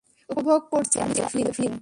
উপভোগ করছেন, mister Devlin?